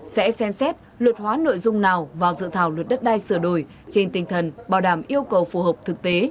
sẽ xem xét luật hóa nội dung nào vào dự thảo luật đất đai sửa đổi trên tinh thần bảo đảm yêu cầu phù hợp thực tế